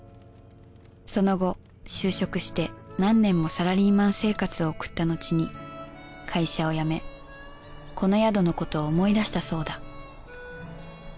その後就職して何年もサラリーマン生活を送ったのちに会社を辞めこの宿のことを思い出したそうだ。